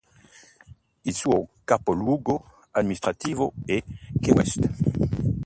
Il suo capoluogo amministrativo è Key West.